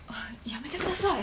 やめてください！